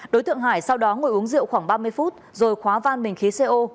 đối tượng hải sau đó ngồi uống rượu khoảng ba mươi phút rồi khóa van bình khí co